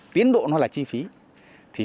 tiến độ là chi phí